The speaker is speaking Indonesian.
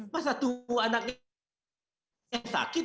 masa tunggu anaknya sakit